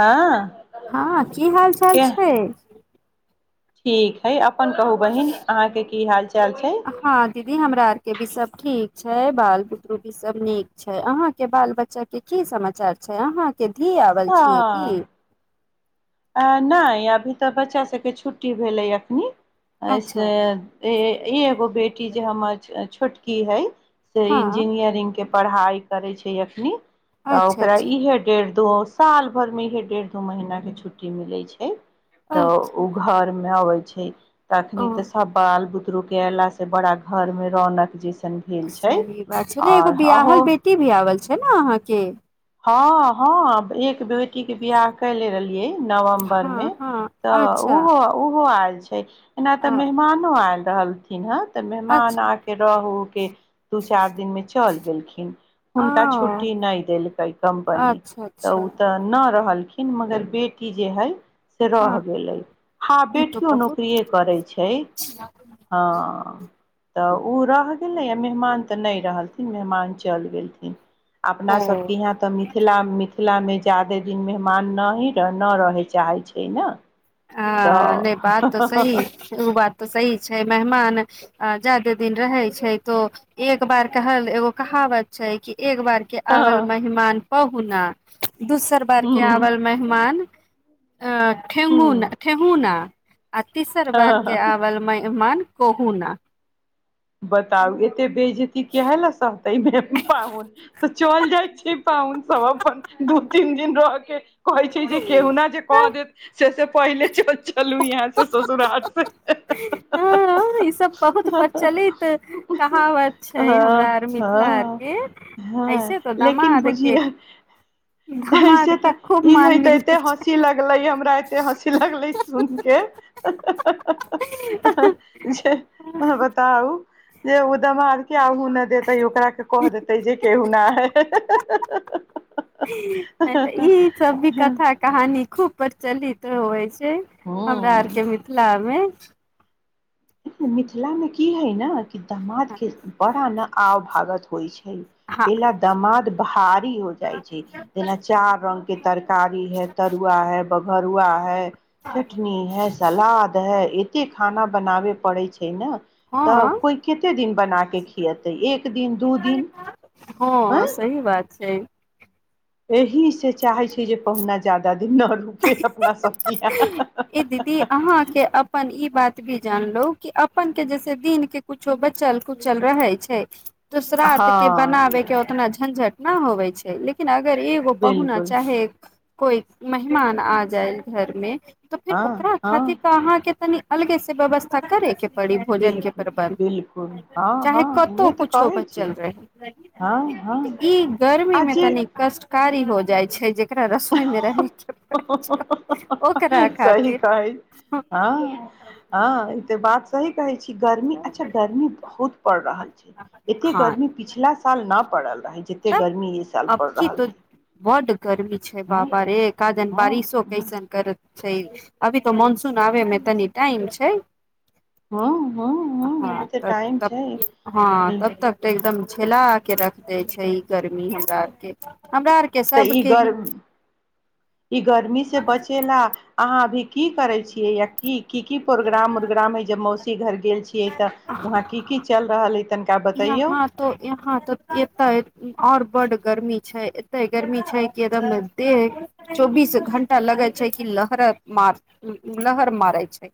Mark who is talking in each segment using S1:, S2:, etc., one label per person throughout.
S1: हँ
S2: हँ की हाल चाल
S1: के
S2: छै
S1: ठीक है अपन कहू बहिन अहाँके की हाल चाल छै
S2: हँ दीदी हमरा आरके भी सब ठीक छै बाल बुतरू भी सब नीक छै अहां के बाल बच्चा के की समाचार छै अहा के धी आवल छियै की
S1: आ नहि अभी तऽ बच्चा सभके छुट्टी भेलै एखनी
S2: अच्छा
S1: ई एगो बेटी जे हमर छोट की है से
S2: हँ
S1: इंजीनियरिंग के पढ़ाइ करै छै अखनी तऽ
S2: अच्छा
S1: ओकरा
S2: अच्छा
S1: इहे डेढ़ दो साल भर मे य डढ़ दो महिना के छुटी ी मिलै छै तऽ ओ
S2: अच्छा
S1: घर मे अबै प छै
S2: ओ
S1: तखनी तऽ सब बाल बु शुरू केला से बड़ा घर में रौनक जे
S2: सही बात छै ने एगो
S1: अहूँ
S2: बियहल बेटी भी आओल छै ने अहाँके
S1: ह हँ एक बेटी के बिियह कले रहे नवम्बर मे
S2: हँ हँ
S1: तऽ
S2: अच्छा
S1: ओहो ओहो आयल अ छै एना त
S2: अ-
S1: मेहमानो आयल दालथिन हत तऽ मेहमान
S2: अच्छा
S1: आके रहू के दू चारि दिन मे चल गेलखिन हुनका
S2: ओ
S1: छुट्टी नहि देलकै कम्पनी
S2: अच्छा
S1: तऽ
S2: अच्छा
S1: उ तऽ न रहलखिन मगर बेट किी जे हइ से रहि
S2: हँ
S1: गेलै आ
S2: ई तो
S1: बेटियओ
S2: बहुत
S1: नौकररिए करै छै हँ तऽ ओ रहि गेलै आ मेहमान तऽ नहि रहलथिन मेहमान चलि गेलथिन अपना
S2: ओ
S1: सबके यहाँ तऽ मिथिला मिथिला मे जाादे दिन मेहमान न ही नहि रहय चाहैत छै ने
S2: ह नहि
S1: तऽ
S2: बात तऽ सही ओ बात तऽ सी छै मेहमान जादे दिन रहे छै तो एक बार कहल एगो कहावत छै कि एक बार के आवल
S1: हँ
S2: मेहमान कहूना दोसर बार के आवल मेहमान ठेमुन सु ना आ तीसर
S1: ह
S2: बारके
S1: ह
S2: आबल मेहमान कहू ना
S1: बताउ ए त बे जेती कए लसा तमे पाहुन तऽ चल जाइ छी पाहुन सब अपन दू तीन दिन रहके कह छै जे केहना जे क देत से से पहिले च चलू यहाँ से ससुराल से ह हह
S2: हँ, ई सब बहुत परचलित कहावत छै हमरा आर मिथिला आर
S1: हँ
S2: के
S1: हँ
S2: ऐसे तऽ
S1: लेकिन
S2: दामादके
S1: बुझियै ऐसे तऽ ई हे तऽ
S2: मिलल
S1: एते
S2: छै
S1: हँसी लगले हमरा एते हँसी लगलै सुन के जे बताउ जे उदमा केहु नहि देतै ओकरा के कह देतै जे केहू न है हहह ह हह
S2: नहि तऽ ई सब भी कथा कहानी खूब परचली तऽ अछि जें हमरा
S1: हँ
S2: आरके मिथिला मे
S1: मिथिलामे की हइ ने कि समाज के बड़ा ना आओ भागत होइ छै
S2: हँ
S1: ए दमाद हा इ होइ छै जेना चार रंग के तरकारी है तरुआ है भगरुआ है चटनी है सलाद है इत की खाना बनावे पड़ै छै त
S2: हँ
S1: कोई कते दिन बना क खुयेतय एक दिन दु दिन
S2: हँ
S1: ऐं
S2: सही बात छै
S1: एहि सँ चाहे छी जे पहुना ज जादा ना छै अपना सब
S2: ई दीदी अहाँके अपन ई बात भी जानलो कि अपन के जैसे दिन के कुछो बचल कुचल रहै छै तूसरात के
S1: हँ
S2: बनाबे के ओतना झंझट नहि होवे छै लेकिन लेकिन अगर एगो पहुना
S1: बिलकुल
S2: चाहे कोइ मेहमान आ जाए घर मे तऽ फिर
S1: हँ
S2: ओकरा खातिर
S1: हँ
S2: तऽ अहाँके तनि अलग से ब बसथ कर रे पी भोजन के
S1: बिल्कुल
S2: प्रबंध
S1: बिल्कुल हँ
S2: चाहे
S1: हँ
S2: कतहु
S1: उहे तऽ
S2: कुछो
S1: कहै छी
S2: बचल रही
S1: हँ हँ
S2: ई गर्मी
S1: आ
S2: मे
S1: जे
S2: तनी कष्टकारी हो जाइ छै जे एकरा रसोई मे रहै छै ओकरा
S1: सही
S2: खातिर
S1: कहै ह ह ई तऽ बात स कह गर्मी अच्छा गर्मी बहुत पड़ रहल छै एते
S2: हँ
S1: गर्मी पिछला साल न प जतेक
S2: तब
S1: गर्मी ई साल पड़ि रहल हइ
S2: करबी छै बाबा रे एकादन बारिशो
S1: हँ
S2: कैसन कर छै अभी त मनसून आ मे तनी टाइम छै
S1: हँ हँ
S2: हँ
S1: अभी तऽ
S2: तब
S1: टाइम
S2: तब
S1: छै
S2: हँ तब तक तऽ एकदम खेला के रख दे ्छ ह गर्मी हराारके
S1: तऽ ई गरम ई गर्मी से बचेला अहाँ अभी की करै छी या की की प्रोग्राम उोग्राम है ज मौसम घर गेल छियै तऽ वहााँ की की चल रहल तनिका बतैयौ
S2: यहाँ त यहाँ तऽ एत आओर बड गर्मी छै एते गर्मी छै क एकदम देह चौबीस घंटा लगे छै कि लहर मार लहर मारे छै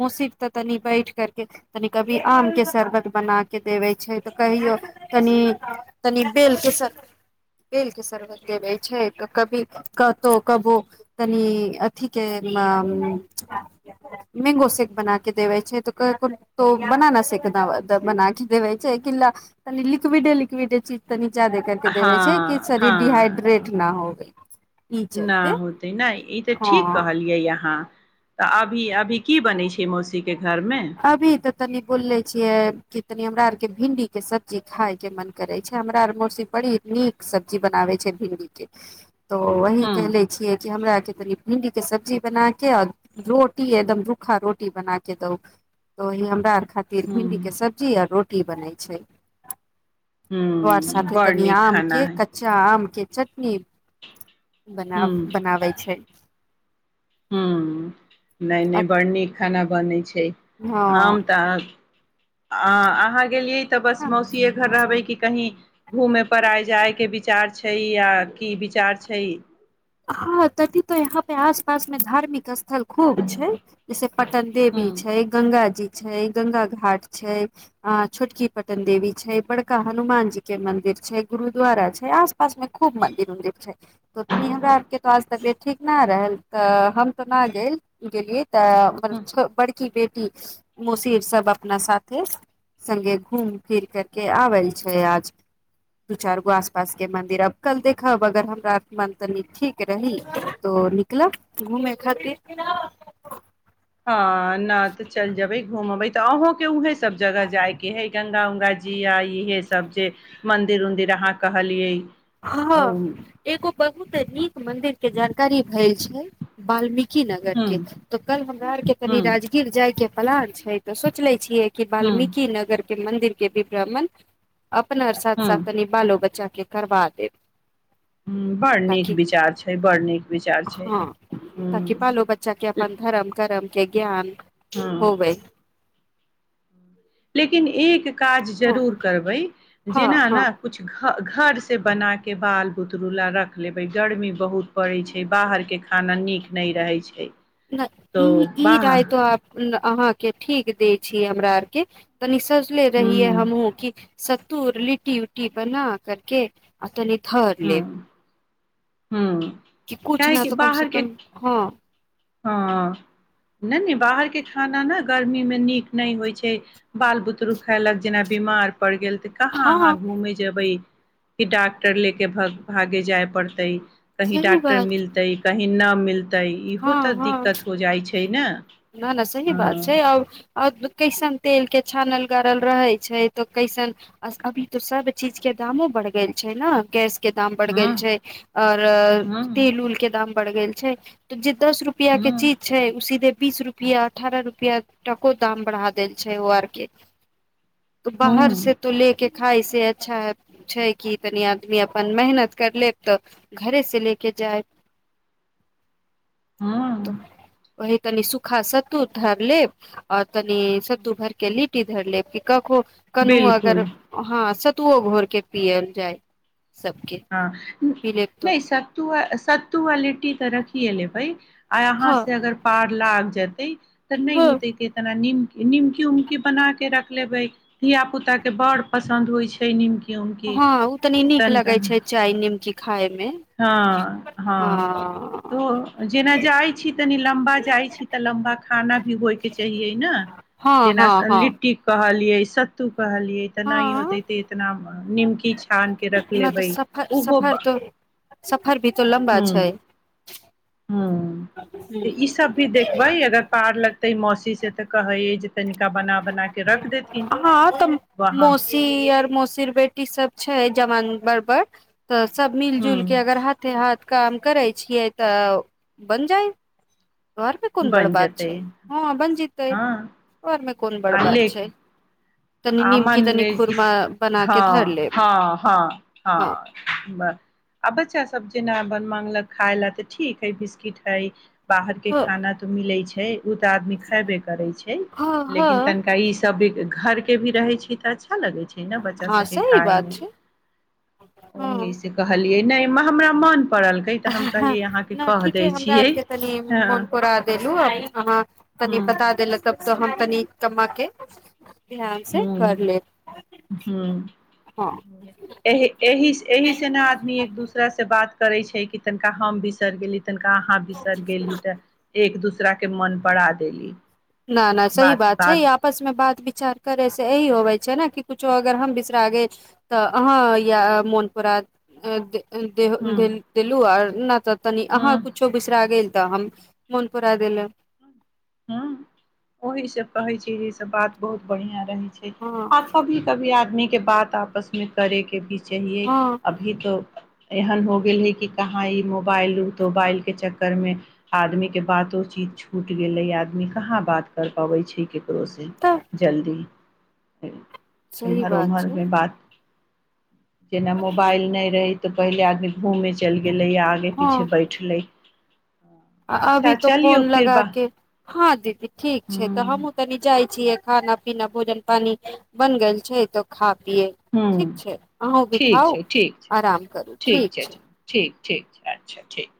S2: मसीर ते तनि बैठ करके तनि कभी आम के शरबत बना के ऽ कहिय कनि ब शरबत दे क कौ क तनि अथ के मैंगो सेक बना के देबै छै तऽ बनाना सेक देै छै कििल ल तनी लिक्विडे लिक्विड चीज तनी जादे कर के
S1: हँ
S2: देवे छै कि शरीर डिहाइड्रेट ना होवे ई
S1: न
S2: चलते
S1: होतै ने ई तऽ
S2: हँ
S1: ठीक कहलियै अहाँ तऽ अभी अभी की बनै छै मौसीीक
S2: अभी तऽ तनी बोल ले छियै कि तनी हमरा आरके भिंडीके सब्जी खायके मन करै छै हमरा आर मौसी बड़ी नीक सब्जी बनाबै छै भिंडीके तो वही
S1: ह
S2: कहले छियै कि हमरा के भिंडी के सब्जी बना के आ रोटी एकदम रूखा रोटी बना के दू तऽही हमरा खातिर
S1: ह
S2: भिन्डी के सब्ी आ रोट की बनै छै
S1: ह
S2: तर साे
S1: बड़
S2: तनी
S1: नीक खाना
S2: आमके
S1: हइ
S2: कच्चा आमके चटनी बना
S1: ह
S2: बनाबै छै
S1: ह नहि नहि बड़ नीक खाना बनैत छै आम तऽ आ अहाँ गेलियै तऽ बस
S2: हँ
S1: मौसीे घर रहबै कि कही घूमे पर आय जाय के विचार छै आा की विचार छै
S2: हँ तथी तो यहाँ पे आस पास मे धार्मिक स्थ स्थल खूब छै जैसे पटन
S1: ह
S2: देवी छै गंगा जी छै गङंगा घाट छै अ छोटकी पटन देवी छै बड़ हनुमान जी के मंदिर छै गुरुद्वारा छै आसपास मे खूब मंदिर उंदिर छै कनी हमरा आरके तऽ आज तबियत ठीक नहि रहल तऽ हम तऽ नहि गेल गेलियै तऽ मतलब बड़की बेटी मसीर सब अपना साथे सगे घूम फिर करके आवल छै आज दू चार गो आस पास के मंदिर अब कल देखब अगर हम र म तनी ठीक रही तो निकलब घूमेय खातिर
S1: ह न तऽ चलि जेबै घूमबे त तऽ अहूँके उएहे सभ जगह जाइके हइ ग्गा उङ्गा जी आा इहे सब जे मन्दिर उन्दिर अहाँ कहलियै
S2: हँ
S1: हूँ
S2: एगो बहु त नीक मंदिर के जानकारी भेल छै बाल्मीकी की नगर
S1: हूँ
S2: के तऽ कल हमरा आर के कनि राजगीर जाय के पलार छै तऽ सोचले छियै
S1: हूँ
S2: बाल्मीकी नगर मन्दिरके बिी ब्राह्मण अपना साथ साथ
S1: हूँ
S2: बालो बच्चा केकर बाद एक
S1: ह बड़ नीक विचार छै बड़ नीक विचार छै
S2: हँ ताकि
S1: ह
S2: बालो बच्चा के अपन धर्म करम के ज्ञान
S1: ह
S2: हो भइ
S1: लेकिन एक काज
S2: हँ
S1: जरूर करबै
S2: हँ
S1: जेना ने
S2: हँ
S1: कुछ घरसँ बनाके बाल बुतरुला रख लेबै गर्मी बहुत पड़ै छै बाहरके खाना नीक नहि रहै छै
S2: न
S1: तो
S2: ई ई
S1: बाह
S2: राय तो अहाँके ठीक दे हमरा आरके त ले
S1: हूँ
S2: रही है हम कि स धर लिटी उूटी बना करके असने ठरले
S1: हँ
S2: कि कुछ न तऽ कम से कम हँ
S1: हँ नहि नहि बाहरके खाना ने गर्मीमे नीक नहि होइत छै बाल बुतरुक खयलक जेना बीमार पड़ गेल तऽ कहाँ अहाँ
S2: हँ
S1: घूमे जेबै कि डॉक्टर लेके भ भागे जाय पड़तै कही
S2: सही
S1: डॉक्टर
S2: बात
S1: मिलतै कही नहि मिलत त
S2: हँ
S1: ईहोत
S2: हँ
S1: दिक्क हो जाइ छै छै ने
S2: न न सही बात छै
S1: हँ
S2: आ कैसन तेल के छानल गड़ल रहे छै तऽ कैसन अभी तो सब चीज के दामो बढ़ गेल छै ने गैस के दाम बढ़ गेल
S1: हँ
S2: छै और
S1: हँ
S2: तेल उल के दाम पड़ गेल छै त ज दस रुपआ के
S1: हँ
S2: चीज छै उसी दे बीस रुपआ अठारह रुपआ टको दाम बढ़ा देल छै ओ आर के त बाहर से
S1: हँ
S2: तो लेके खाइ से अच्छा छै कि तनि आदमी अपन मेहनत कर लेब तऽ घरे से ले क जाय तऽ
S1: हँ
S2: ओ तनि सुूखा सत्त धर लेब आओर तनी सतू भरके ल की धर लेके कहूँ कनू अगर
S1: बिलकुल
S2: हँ तू ओ घोरकें पीएल जाइ
S1: हँ नहि सत्त सत्तु आ लिट्टी तऽ रखीए लैबैय आय अहाँ
S2: हँ
S1: से अगर पार लाग जेतै तऽ नहि
S2: हँ
S1: होतै कितना नीम निमकी उमकी बना के रख लेबे धिया पुता के बड़ पसंन्द होय छै निमकी उमकी
S2: हँ ओ तनी नीक
S1: तनिका
S2: लगै छै चाय नीमकी खा
S1: हँ हँ त जेना जाइत छी तनी लम्बा जाइत छी तऽ लम्बा खाना भी होयके चाहियै ने
S2: हँ
S1: जेना
S2: हँ हँ
S1: लिट्टी कहल पिय सत्तू कहलियै तऽ नहि
S2: हँ
S1: होते ते इतना निमकी छै स्थान के रख
S2: नहि तऽ
S1: लेबै
S2: सफर
S1: ओहो
S2: सफर तो सफर भी त लम्बा छै
S1: ह
S2: ह
S1: तऽ ई सब भी देखबै अगर पार लगते मौसी से कहे ज
S2: हँ तऽ
S1: वहाँ
S2: मौसी आर मौसीर बेटी सब छै जवान घरपर तऽ सब मिलजुलके अगर
S1: ह
S2: हाथे हाथ काम करै छियै तऽ बन जाइ घरमे कोन बड़
S1: बनि
S2: बात
S1: जेतै
S2: छै हँ बन जतै
S1: हँ
S2: कोन बड़ बात छै तनी
S1: आ
S2: निमकी
S1: मान
S2: तनी
S1: कि
S2: खुरमा बना के धर
S1: हँ
S2: लेब
S1: हँ हँ हँ आ बच्चा सब जेना अपन मागलक खाय ला तऽ ठीक है बिस्किट हय बाहर के
S2: हँ
S1: खाना तो मिले छै छै उ तऽ आदमी खेबे करे छै
S2: हँ हँ
S1: लेकिन तनिका ई सब भ घरके के भी रहै छी तऽ अच्छा लगे छै ने बच्चा
S2: हँ
S1: सबके
S2: सही
S1: खााय मे
S2: बात छै हँ
S1: ओ से कहलियै ने मह हम्र्मण
S2: ठीके हमरा
S1: छियै
S2: आरके तनि
S1: हँ
S2: मन पुरा देलहु अहाँ कनि
S1: हँ
S2: बता देलक त तऽ हम तनी कम्म के ध्यान से
S1: ह
S2: कर लेब
S1: ह
S2: हँ
S1: एहि एहिह से ने आदमी एक दूसरा से बात करै छै कि तनिका हम बिसरि गेली ता अहाँ बिसर गेली तऽ एक दूसर के मन पड़ा देली
S2: न न सही बात छै आपस मे बात भी उपचार करै से यही होबे छै ने कि कुछो अगर हम बिसरागे तऽ अहाँ या
S1: हँ
S2: मोन पूरा
S1: हँ
S2: दे देलू आ न तऽ तनी अहाँ
S1: हँ
S2: कुछो बिसरा गेल तऽ हम मन पुरा देल
S1: ह ओहिी से कहै छी जे सब बात बहुत बढ़ििया रहै छै
S2: हँ
S1: आ कभी कभी आदमी के बात आपसमे करे के बीच चाए
S2: हँ
S1: अभी तऽ एहन हो गेल हे कि कहा ई मोबाइल रुक त मोबाइल के चक्कर में आदमी के बातो चीत छूट गेले आदमी कहाँ बात कर पबे छै कपड़ोसँ
S2: तऽ
S1: जल्दी
S2: सही
S1: एम्हर
S2: बात छै
S1: ओम्हरमे बात जेना मोबाइल नहि रही तऽ पहिले आग घूमै चलि गेलै आा आगे पीछे
S2: हँ
S1: बैठलै
S2: अभी
S1: अच्छा
S2: तो फोन
S1: चलियौ फिर
S2: लगा
S1: बाह
S2: के हँ दीदी ठीक छै तऽ
S1: ह
S2: हमूँ तनी जाइ छ खाना पीना भोजन पानी बन गल छै त खा
S1: ह
S2: ठीक छै अहूँ भी
S1: ठीक
S2: खाउ
S1: छै ठीक छै
S2: आराम करू ठीक छै
S1: ठीक छै अच्छा ठीक